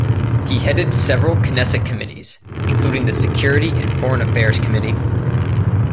He headed several Knesset committees, including the Security and Foreign Affairs committee.